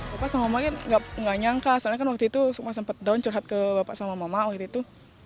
bapak sama mama kan nggak nyangka soalnya kan waktu itu masampet down curhat ke bapak sama mama waktu itu